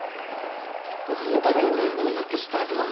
ご飯食べるなら連絡してよ。